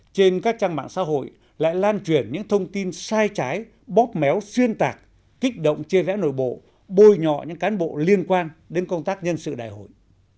trên các trang mạng xã hội lại lan truyền những thông tin sai trái bóp méo xuyên tạc kích động chê vẽ nội bộ bôi nhọ những cán bộ liên quan đến công tác nhân sự đại hội